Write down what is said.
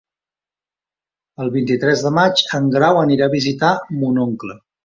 El vint-i-tres de maig en Grau anirà a visitar mon oncle.